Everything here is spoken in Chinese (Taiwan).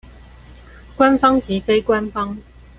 官方及非官方